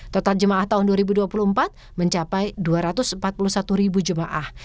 total jemaah tahun dua ribu dua puluh empat mencapai dua ratus empat puluh satu ribu jemaah